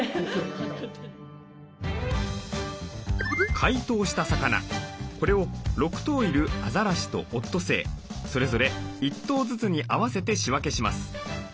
解凍した魚これを６頭いるアザラシとオットセイそれぞれ１頭ずつに合わせて仕分けします。